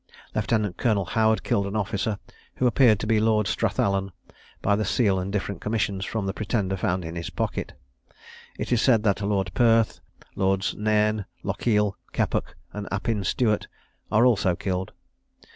Lieutenant Colonel Howard killed an officer, who appeared to be Lord Strathallan, by the seal and different commissions from the Pretender found in his pocket. It is said Lord Perth, Lords Nairn, Lochiel, Keppock, and Appin Stuart, are also killed.